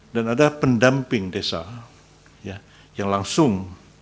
dan ada pendamping desa yang langsung